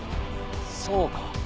そうか。